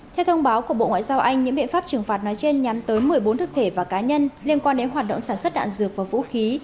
theo thông báo của bộ ngoại giao anh những biện pháp trừng phạt nói trên nhằm tới một mươi bốn thức thể và cá nhân liên quan đến hoạt động sản xuất đạn dược và vũ khí